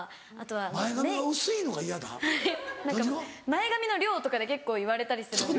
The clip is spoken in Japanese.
前髪の量とかで結構言われたりするんで。